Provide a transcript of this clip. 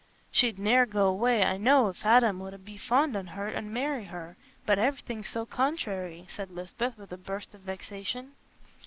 "She'd ne'er go away, I know, if Adam 'ud be fond on her an' marry her, but everything's so contrairy," said Lisbeth, with a burst of vexation.